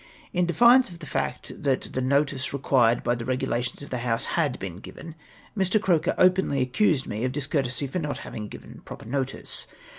In defiance of the fact that the notice required by the regulations of the House had been given, Mr. Croker openly accused nie of dis courtesy for not having give?! proper notice